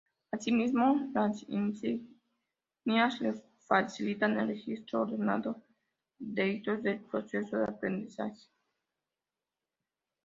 Asimismo, las insignias le facilitan el registro ordenado de hitos del proceso de aprendizaje.